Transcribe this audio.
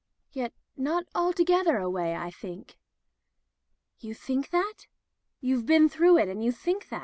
Yet not altogether away, I think." "You think that ? YouVe been through it and you think that?"